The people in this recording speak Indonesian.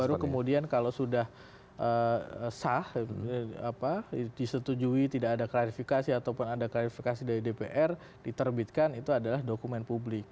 baru kemudian kalau sudah sah disetujui tidak ada klarifikasi ataupun ada klarifikasi dari dpr diterbitkan itu adalah dokumen publik